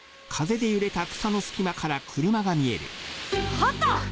あった！